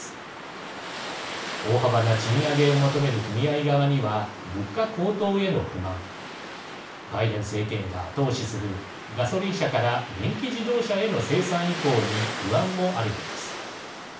大幅な賃上げを求める組合側には物価高騰への不満バイデン政権が後押しするガソリン車から電気自動車への生産移行に不安もあるようです。